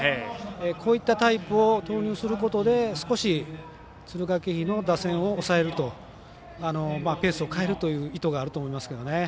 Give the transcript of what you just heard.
こういったタイプを投入することで少し敦賀気比の打線を抑えるとペースを変えるという意図があると思いますけどね。